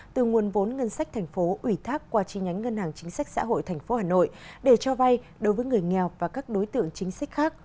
từ nguồn vốn ngân sách tp ubnd tp hà nội để cho vay đối với người nghèo và các đối tượng chính sách khác